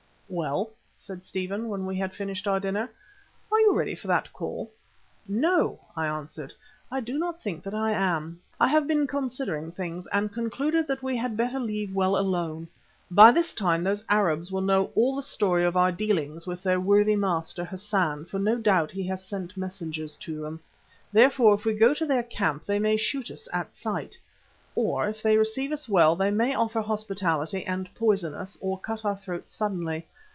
"Well," said Stephen, when we had finished our dinner, "are you ready for that call?" "No!" I answered, "I do not think that I am. I have been considering things, and concluded that we had better leave well alone. By this time those Arabs will know all the story of our dealings with their worthy master, Hassan, for no doubt he has sent messengers to them. Therefore, if we go to their camp, they may shoot us at sight. Or, if they receive us well, they may offer hospitality and poison us, or cut our throats suddenly.